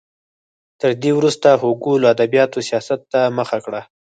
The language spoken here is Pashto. تر دې وروسته هوګو له ادبیاتو سیاست ته مخه کړه.